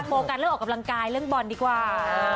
โฟกัสเรื่องออกกำลังกายเรื่องบอลดีกว่า